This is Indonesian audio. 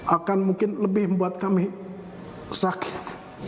akan mungkin lebih membuat kami sakit